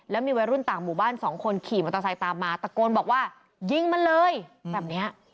แล้วมีวัยรุ่นต่างหมู่บ้านสองคนขี่มอเตอร์ไซค์ตามมาตะโกนบอกว่ายิงมันเลยแบบเนี้ย